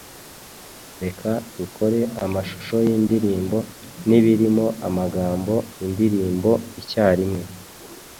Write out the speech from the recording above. Reka dukore amashusho yindirimbo nibirimo amagambo. indirimbo icyarimwe. '